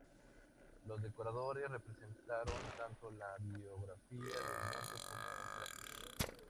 Los decoradores representaron tanto la biografía del muerto como otras escenas.